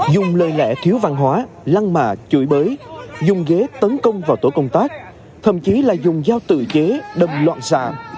dùng lời lẽ thiếu văn hóa lăng mạ chửi bới dùng ghế tấn công vào tổ công tác thậm chí là dùng dao tự chế đâm loạn xạ